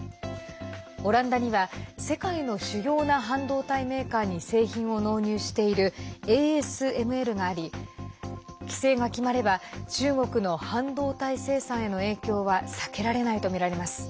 オランダには世界の主要な半導体メーカーに製品を納入しているＡＳＭＬがあり規制が決まれば中国の半導体生産への影響は避けられないとみられます。